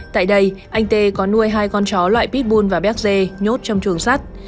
tại đây anh tê có nuôi hai con chó loại pitbull và béc dê nhốt trong chuồng sắt